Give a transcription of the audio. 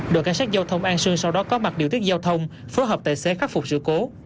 đội cảnh sát giao thông an sương sau đó có mặt điều tiết giao thông phối hợp tài xế khắc phục sự cố